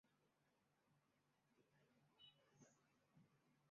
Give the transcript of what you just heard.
布卢尔德河畔穆泰尔人口变化图示